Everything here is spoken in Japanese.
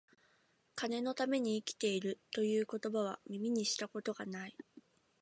金のために生きている、という言葉は、耳にした事が無い